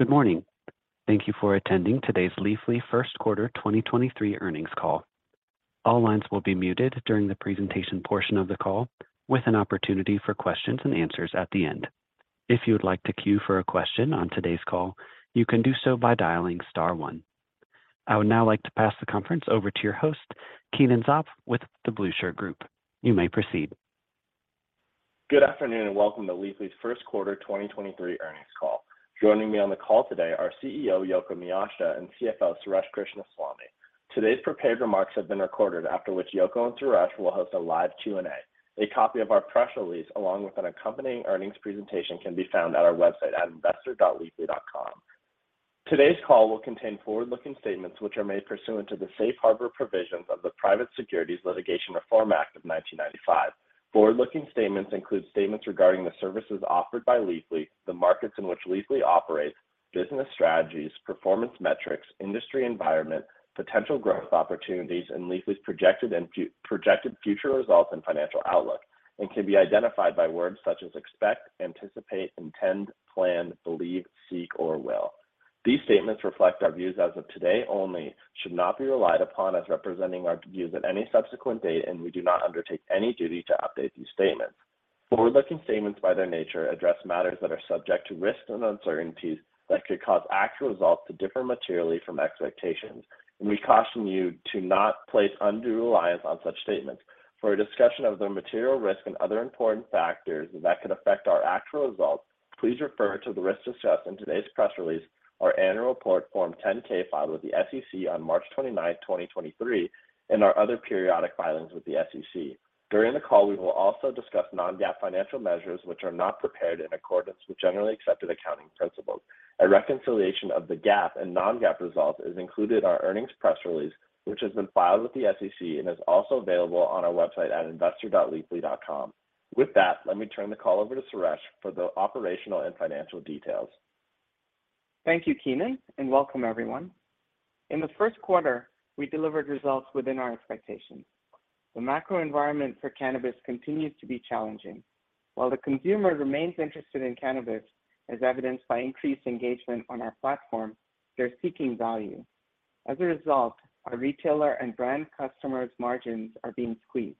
Good morning. Thank you for attending today's Leafly first quarter 2023 earnings call. All lines will be muted during the presentation portion of the call, with an opportunity for Q&A at the end. If you would like to queue for a question on today's call, you can do so by dialing star one. I would now like to pass the conference over to your host, Keenan Zopf, with The Blueshirt Group. You may proceed. Good afternoon, welcome to Leafly's first quarter 2023 earnings call. Joining me on the call today are CEO Yoko Miyashita and CFO Suresh Krishnaswamy. Today's prepared remarks have been recorded, after which Yoko and Suresh will host a live Q&A. A copy of our press release, along with an accompanying earnings presentation can be found at our website at investor.leafly.com. Today's call will contain forward-looking statements which are made pursuant to the Safe Harbor Provisions of the Private Securities Litigation Reform Act of 1995. Forward-looking statements include statements regarding the services offered by Leafly, the markets in which Leafly operates, business strategies, performance metrics, industry environment, potential growth opportunities, and Leafly's projected future results and financial outlook, and can be identified by words such as expect, anticipate, intend, plan, believe, seek, or will. These statements reflect our views as of today only, should not be relied upon as representing our views at any subsequent date. We do not undertake any duty to update these statements. Forward-looking statements, by their nature, address matters that are subject to risks and uncertainties that could cause actual results to differ materially from expectations. We caution you to not place undue reliance on such statements. For a discussion of the material risk and other important factors that could affect our actual results, please refer to the risks discussed in today's press release, our annual report Form 10-K filed with the SEC on March 29th, 2023. Our other periodic filings with the SEC. During the call, we will also discuss non-GAAP financial measures which are not prepared in accordance with generally accepted accounting principles. A reconciliation of the GAAP and non-GAAP results is included in our earnings press release, which has been filed with the SEC and is also available on our website at investor.leafly.com. With that, let me turn the call over to Suresh for the operational and financial details. Thank you, Keenan. Welcome everyone. In the first quarter, we delivered results within our expectations. The macro environment for cannabis continues to be challenging. While the consumer remains interested in cannabis, as evidenced by increased engagement on our platform, they're seeking value. As a result, our retailer and brand customers' margins are being squeezed,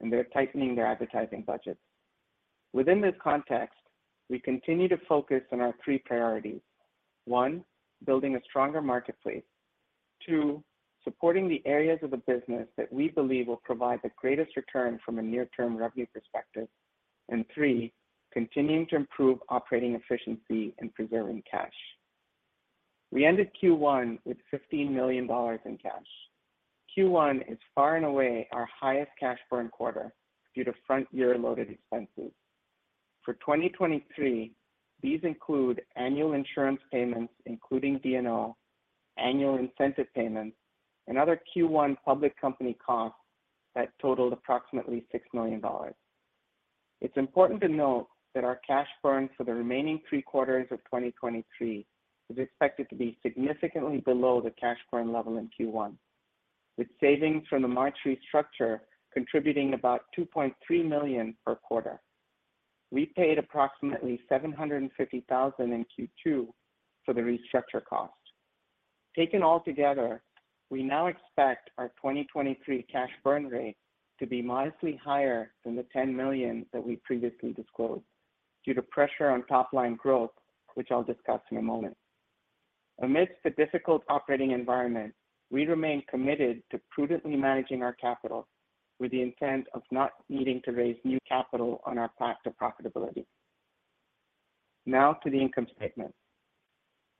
and they're tightening their advertising budgets. Within this context, we continue to focus on our three priorities. One, building a stronger marketplace. Two, supporting the areas of the business that we believe will provide the greatest return from a near-term revenue perspective. Three, continuing to improve operating efficiency and preserving cash. We ended Q1 with $15 million in cash. Q1 is far and away our highest cash burn quarter due to front-year loaded expenses. For 2023, these include annual insurance payments, including D&O, annual incentive payments, and other Q1 public company costs that totaled approximately $6 million. It's important to note that our cash burn for the remaining three quarters of 2023 is expected to be significantly below the cash burn level in Q1, with savings from the March restructure contributing about $2.3 million per quarter. We paid approximately $750,000 in Q2 for the restructure cost. Taken all together, we now expect our 2023 cash burn rate to be modestly higher than the $10 million that we previously disclosed due to pressure on top line growth, which I'll discuss in a moment. Amidst the difficult operating environment, we remain committed to prudently managing our capital with the intent of not needing to raise new capital on our path to profitability. Now to the income statement.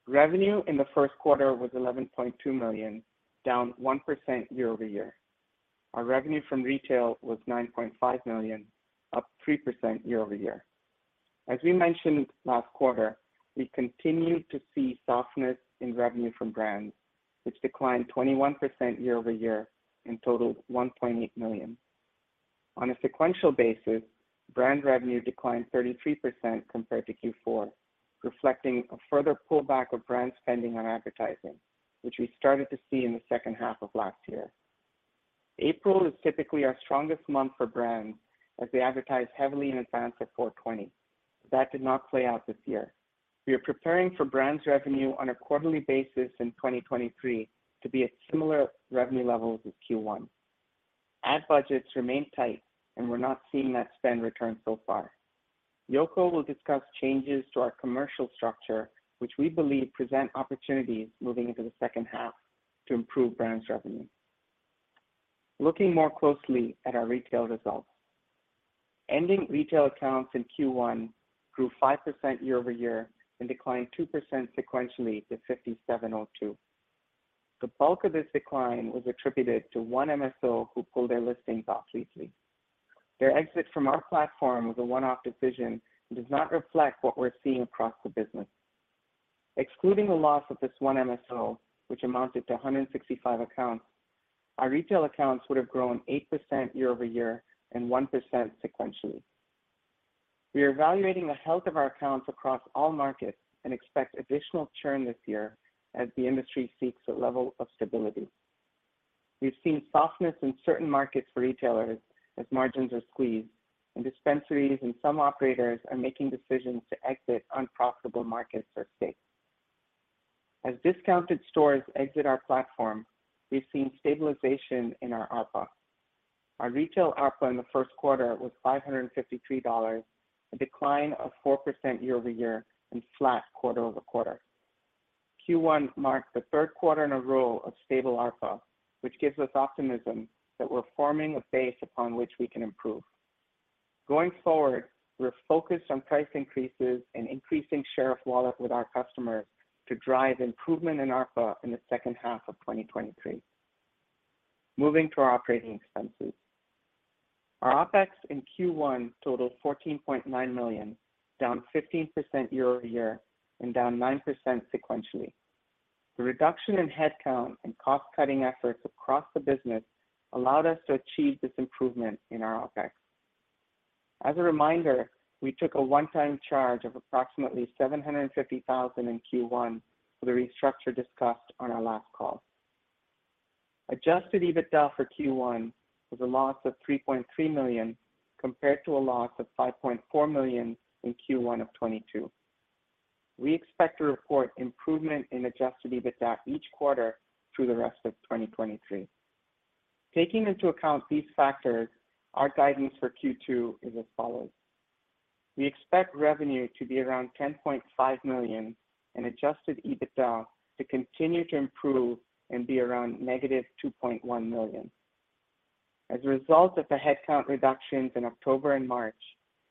Revenue in the first quarter was $11.2 million, down 1% year-over-year. Our revenue from retail was $9.5 million, up 3% year-over-year. As we mentioned last quarter, we continue to see softness in revenue from brands, which declined 21% year-over-year and totaled $1.8 million. On a sequential basis, brand revenue declined 33% compared to Q4, reflecting a further pullback of brand spending on advertising, which we started to see in the second half of last year. April is typically our strongest month for brands as they advertise heavily in advance of 420. That did not play out this year. We are preparing for brands revenue on a quarterly basis in 2023 to be at similar revenue levels as Q1. Ad budgets remain tight. We're not seeing that spend return so far. Yoko will discuss changes to our commercial structure, which we believe present opportunities moving into the second half to improve brands revenue. Looking more closely at our retail results. Ending retail accounts in Q1 grew 5% year-over-year and declined 2% sequentially to 5702. The bulk of this decline was attributed to one MSO who pulled their listings off Leafly. Their exit from our platform was a one-off decision and does not reflect what we're seeing across the business. Excluding the loss of this one MSO, which amounted to 165 accounts, our retail accounts would have grown 8% year-over-year and 1% sequentially. We are evaluating the health of our accounts across all markets and expect additional churn this year as the industry seeks a level of stability. We've seen softness in certain markets for retailers as margins are squeezed, dispensaries and some operators are making decisions to exit unprofitable markets or states. As discounted stores exit our platform, we've seen stabilization in our ARPA. Our retail ARPA in the first quarter was $553, a decline of 4% year-over-year and flat quarter-over-quarter. Q1 marked the third quarter in a row of stable ARPA, which gives us optimism that we're forming a base upon which we can improve. Going forward, we're focused on price increases and increasing share of wallet with our customers to drive improvement in ARPA in the second half of 2023. Moving to our operating expenses. Our OpEx in Q1 totaled $14.9 million, down 15% year-over-year and down 9% sequentially. The reduction in headcount and cost-cutting efforts across the business allowed us to achieve this improvement in our OpEx. As a reminder, we took a one-time charge of approximately $750,000 in Q1 for the restructure discussed on our last call. Adjusted EBITDA for Q1 was a loss of $3.3 million, compared to a loss of $5.4 million in Q1 of 2022. We expect to report improvement in adjusted EBITDA each quarter through the rest of 2023. Taking into account these factors, our guidance for Q2 is as follows. We expect revenue to be around $10.5 million and adjusted EBITDA to continue to improve and be around negative $2.1 million. As a result of the headcount reductions in October and March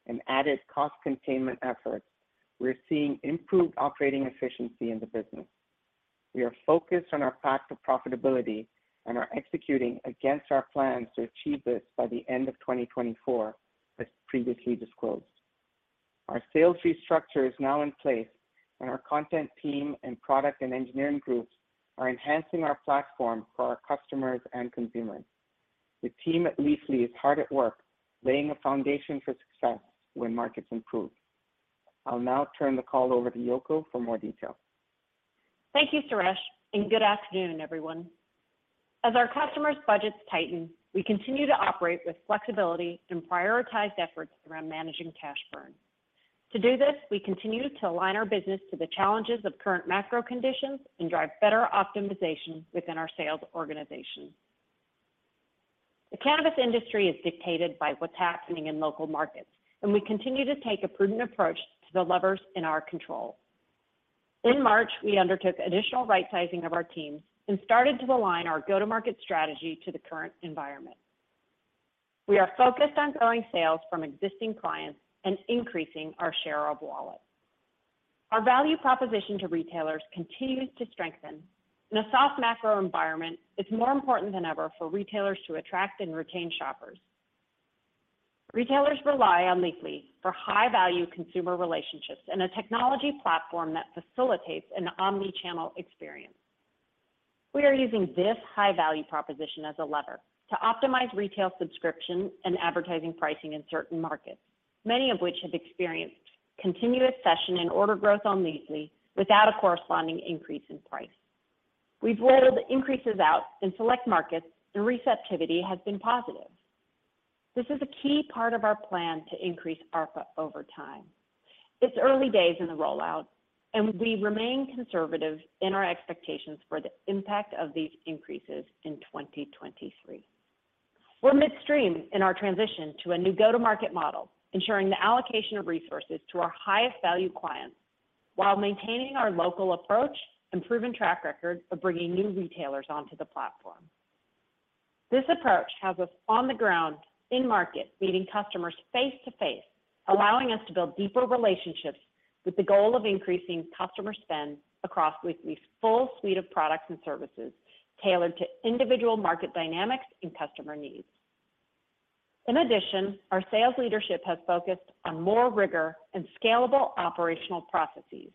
and added cost containment efforts, we're seeing improved operating efficiency in the business. We are focused on our path to profitability and are executing against our plans to achieve this by the end of 2024, as previously disclosed. Our sales fee structure is now in place, and our content team and product and engineering groups are enhancing our platform for our customers and consumers. The team at Leafly is hard at work laying a foundation for success when markets improve. I'll now turn the call over to Yoko for more details. Thank you, Suresh, and good afternoon, everyone. As our customers' budgets tighten, we continue to operate with flexibility and prioritized efforts around managing cash burn. To do this, we continue to align our business to the challenges of current macro conditions and drive better optimization within our sales organization. The cannabis industry is dictated by what's happening in local markets, and we continue to take a prudent approach to the levers in our control. In March, we undertook additional right-sizing of our teams and started to align our go-to-market strategy to the current environment. We are focused on growing sales from existing clients and increasing our share of wallet. Our value proposition to retailers continues to strengthen. In a soft macro environment, it's more important than ever for retailers to attract and retain shoppers. Retailers rely on Leafly for high-value consumer relationships and a technology platform that facilitates an omni-channel experience. We are using this high-value proposition as a lever to optimize retail subscription and advertising pricing in certain markets, many of which have experienced continuous session and order growth on Leafly without a corresponding increase in price. We've rolled increases out in select markets, and receptivity has been positive. This is a key part of our plan to increase ARPA over time. It's early days in the rollout, and we remain conservative in our expectations for the impact of these increases in 2023. We're midstream in our transition to a new go-to-market model, ensuring the allocation of resources to our highest-value clients while maintaining our local approach and proven track record of bringing new retailers onto the platform. This approach has us on the ground in-market, meeting customers face-to-face, allowing us to build deeper relationships with the goal of increasing customer spend across Leafly's full suite of products and services tailored to individual market dynamics and customer needs. In addition, our sales leadership has focused on more rigor and scalable operational processes.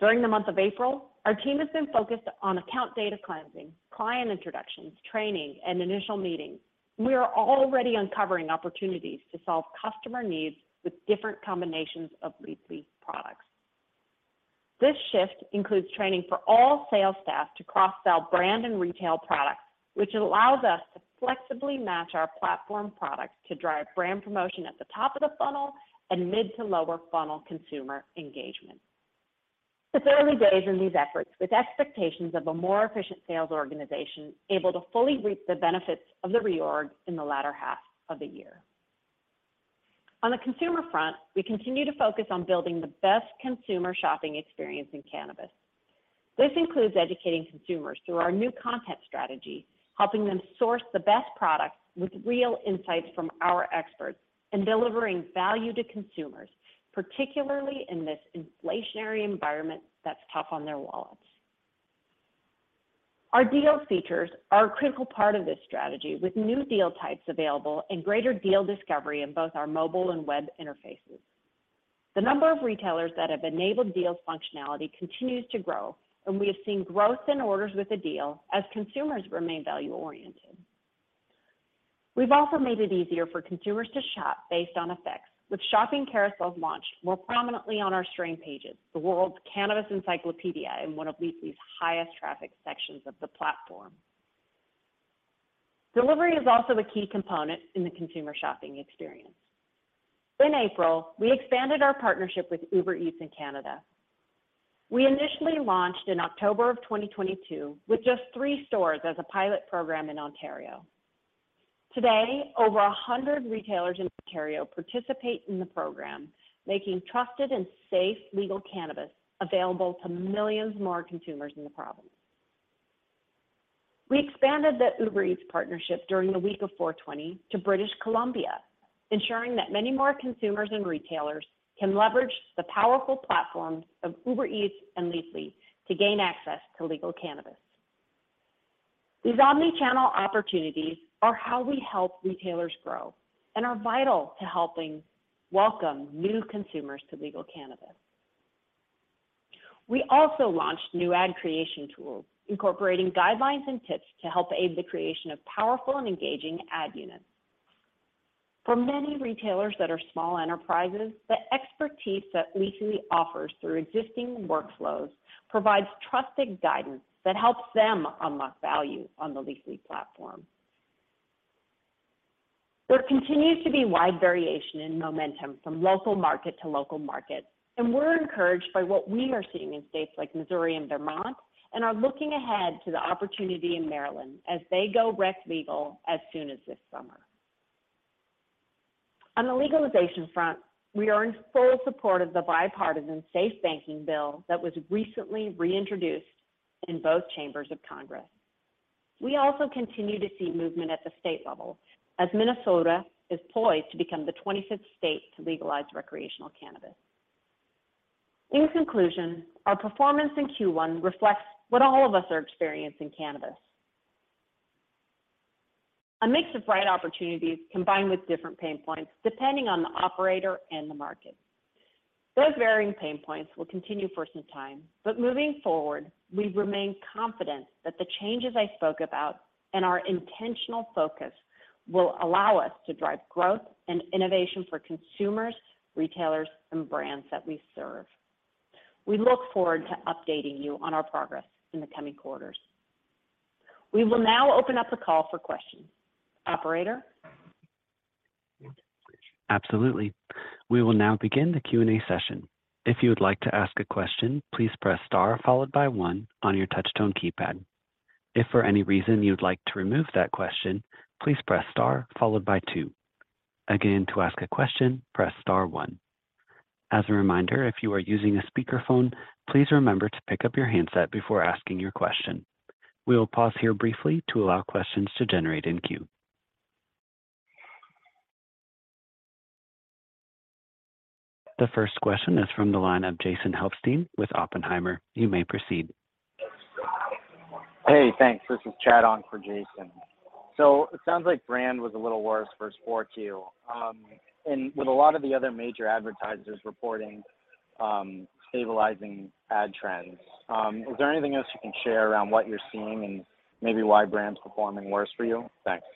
During the month of April, our team has been focused on account data cleansing, client introductions, training, and initial meetings. We are already uncovering opportunities to solve customer needs with different combinations of Leafly's products. This shift includes training for all sales staff to cross-sell brand and retail products, which allows us to flexibly match our platform products to drive brand promotion at the top of the funnel and mid to lower funnel consumer engagement. It's early days in these efforts with expectations of a more efficient sales organization able to fully reap the benefits of the reorg in the latter half of the year. On the consumer front, we continue to focus on building the best consumer shopping experience in cannabis. This includes educating consumers through our new content strategy, helping them source the best products with real insights from our experts, and delivering value to consumers, particularly in this inflationary environment that's tough on their wallets. Our deal features are a critical part of this strategy with new deal types available and greater deal discovery in both our mobile and web interfaces. The number of retailers that have enabled deals functionality continues to grow, and we have seen growth in orders with a deal as consumers remain value-oriented. We've also made it easier for consumers to shop based on effects, with shopping carousels launched more prominently on our strain pages, the world's cannabis encyclopedia in one of Leafly's highest traffic sections of the platform. Delivery is also a key component in the consumer shopping experience. In April, we expanded our partnership with Uber Eats in Canada. We initially launched in October of 2022 with just three stores as a pilot program in Ontario. Today, over 100 retailers in Ontario participate in the program, making trusted and safe legal cannabis available to millions more consumers in the province. We expanded the Uber Eats partnership during the week of 420 to British Columbia, ensuring that many more consumers and retailers can leverage the powerful platforms of Uber Eats and Leafly to gain access to legal cannabis. These omni-channel opportunities are how we help retailers grow and are vital to helping welcome new consumers to legal cannabis. We also launched new ad creation tools, incorporating guidelines and tips to help aid the creation of powerful and engaging ad units. For many retailers that are small enterprises, the expertise that Leafly offers through existing workflows provides trusted guidance that helps them unlock value on the Leafly platform. There continues to be wide variation in momentum from local market to local market. We're encouraged by what we are seeing in states like Missouri and Vermont, and are looking ahead to the opportunity in Maryland as they go rec legal as soon as this summer. On the legalization front, we are in full support of the bipartisan SAFE Banking Bill that was recently reintroduced in both chambers of Congress. We also continue to see movement at the state level as Minnesota is poised to become the 25th state to legalize recreational cannabis. In conclusion, our performance in Q1 reflects what all of us are experiencing cannabis. A mix of bright opportunities combined with different pain points depending on the operator and the market. Those varying pain points will continue for some time, but moving forward, we remain confident that the changes I spoke about and our intentional focus will allow us to drive growth and innovation for consumers, retailers, and brands that we serve. We look forward to updating you on our progress in the coming quarters. We will now open up the call for questions. Operator? Absolutely. We will now begin the Q&A session. If you would like to ask a question, please press star followed by one on your touch-tone keypad. If for any reason you'd like to remove that question, please press star followed by two. Again, to ask a question, press star one. As a reminder, if you are using a speakerphone, please remember to pick up your handset before asking your question. We will pause here briefly to allow questions to generate in queue. The first question is from the line of Jason Helfstein with Oppenheimer. You may proceed. Hey, thanks. This is Chad on for Jason. It sounds like brand was a little worse versus 4Q. With a lot of the other major advertisers reporting, stabilizing ad trends, is there anything else you can share around what you're seeing and maybe why brand's performing worse for you? Thanks.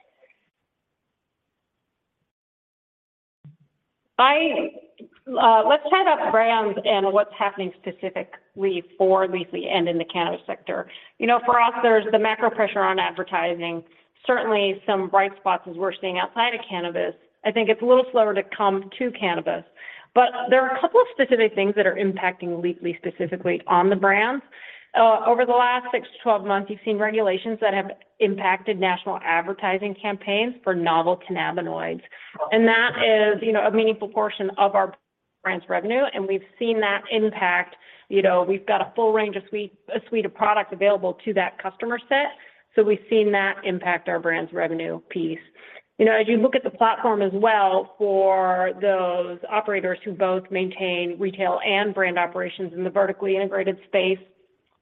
Let's chat up brands and what's happening specifically for Leafly and in the cannabis sector. You know, for us, there's the macro pressure on advertising. Certainly, some bright spots as we're seeing outside of cannabis. I think it's a little slower to come to cannabis. There are a couple of specific things that are impacting Leafly specifically on the brands. Over the last six months to 12 months, you've seen regulations that have impacted national advertising campaigns for novel cannabinoids. That is, you know, a meaningful portion of our brand's revenue, and we've seen that impact. You know, we've got a full range of a suite of products available to that customer set. We've seen that impact our brand's revenue piece. You know, as you look at the platform as well for those operators who both maintain retail and brand operations in the vertically integrated space,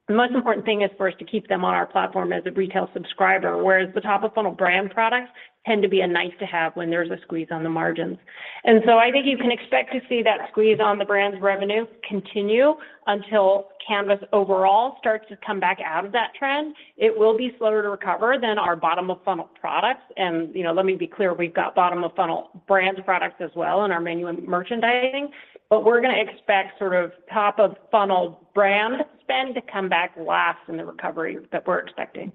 the most important thing is for us to keep them on our platform as a retail subscriber, whereas the top-of-funnel brand products tend to be a nice-to-have when there's a squeeze on the margins. I think you can expect to see that squeeze on the brand's revenue continue until cannabis overall starts to come back out of that trend. It will be slower to recover than our bottom-of-funnel products. You know, let me be clear, we've got bottom-of-funnel brand products as well in our menu and merchandising. We're gonna expect sort of top-of-funnel brand spend to come back last in the recovery that we're expecting.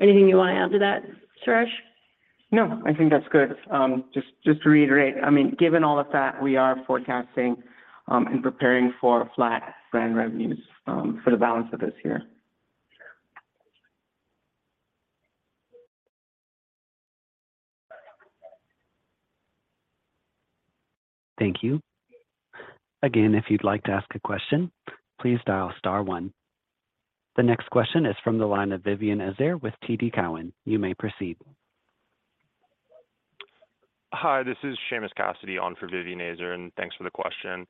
Anything you want to add to that Suresh? No, I think that's good. just to reiterate, I mean, given all of that, we are forecasting, and preparing for flat brand revenues, for the balance of this year. Thank you. Again, if you'd like to ask a question, please dial star one. The next question is from the line of Vivien Azer with TD Cowen. You may proceed. Hi, this is Seamus Cassidy on for Vivien Azer. Thanks for the question.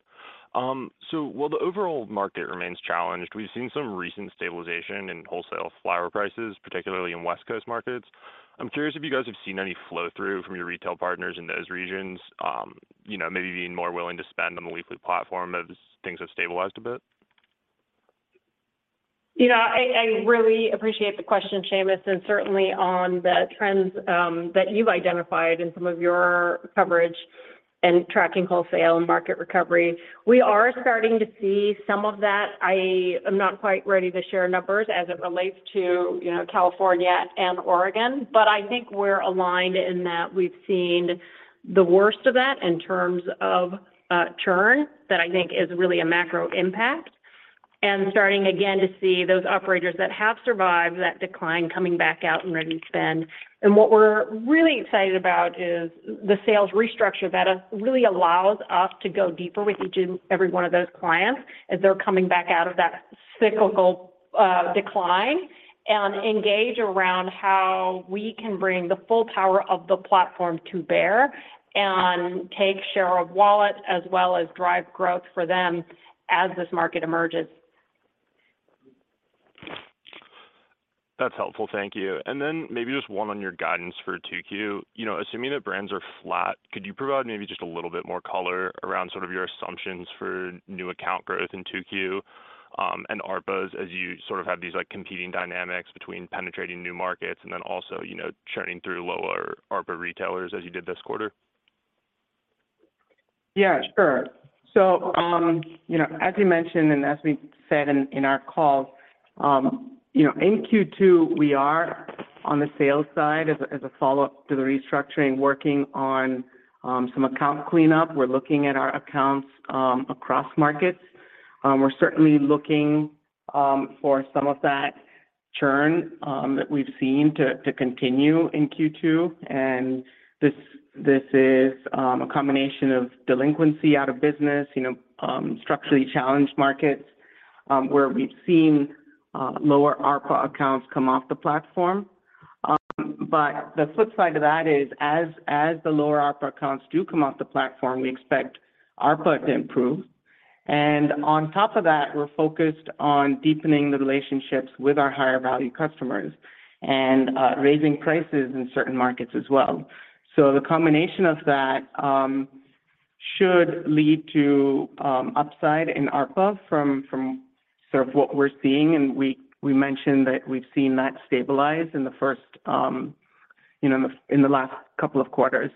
While the overall market remains challenged, we've seen some recent stabilization in wholesale flower prices, particularly in West Coast markets. I'm curious if you guys have seen any flow-through from your retail partners in those regions, you know, maybe being more willing to spend on the Leafly platform as things have stabilized a bit? You know, I really appreciate the question, Seamus, and certainly on the trends that you've identified in some of your coverage and tracking wholesale and market recovery. We are starting to see some of that. I am not quite ready to share numbers as it relates to, you know, California and Oregon, but I think we're aligned in that we've seen the worst of that in terms of churn that I think is really a macro impact. Starting again to see those operators that have survived that decline coming back out and ready to spend. What we're really excited about is the sales restructure that really allows us to go deeper with each and every one of those clients as they're coming back out of that cyclical decline, and engage around how we can bring the full power of the platform to bear and take share of wallet as well as drive growth for them as this market emerges. That's helpful. Thank you. Maybe just one on your guidance for 2Q. You know, assuming that brands are flat, could you provide maybe just a little bit more color around sort of your assumptions for new account growth in 2Q, and ARPAs as you sort of have these, like, competing dynamics between penetrating new markets and then also, you know, churning through lower ARPA retailers as you did this quarter? Sure. you know, as you mentioned, and as we said in our calls, you know, in Q2, we are on the sales side as a, as a follow-up to the restructuring, working on, some account cleanup. We're looking at our accounts, across markets. We're certainly looking for some of that churn that we've seen to continue in Q2. This is a combination of delinquency out of business, you know, structurally challenged markets, where we've seen lower ARPA accounts come off the platform. The flip side to that is as the lower ARPA accounts do come off the platform, we expect ARPA to improve. On top of that, we're focused on deepening the relationships with our higher value customers and raising prices in certain markets as well. The combination of that should lead to upside in ARPA from sort of what we're seeing, and we mentioned that we've seen that stabilize in the first, you know, in the last couple of quarters.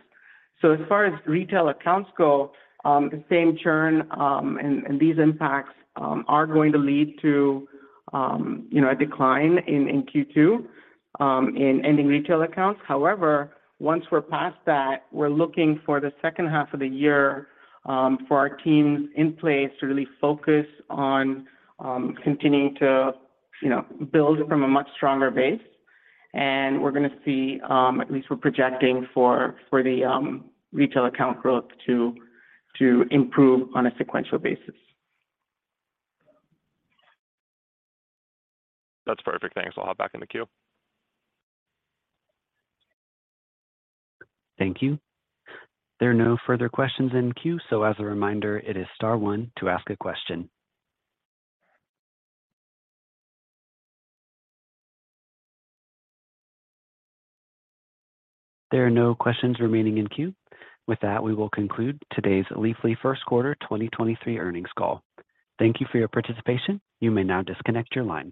As far as retail accounts go, the same churn and these impacts are going to lead to, you know, a decline in Q2 in ending retail accounts. However, once we're past that, we're looking for the second half of the year for our teams in place to really focus on continuing to, you know, build from a much stronger base. We're gonna see at least we're projecting for the retail account growth to improve on a sequential basis. That's perfect. Thanks. I'll hop back in the queue. Thank you. There are no further questions in queue. As a reminder, it is star one to ask a question. There are no questions remaining in queue. With that, we will conclude today's Leafly first quarter 2023 earnings call. Thank you for your participation. You may now disconnect your line.